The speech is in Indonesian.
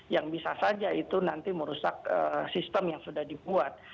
yang bisa saja itu nanti merusak sistem yang sudah dibuat